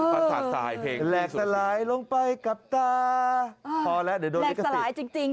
ปราศาสตรายเพลงแหลกสลายลงไปกับตาพอแล้วเดี๋ยวโดนดีกว่าสิแหลกสลายจริงจริง